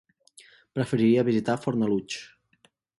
Preferiria visitar Fornalutx.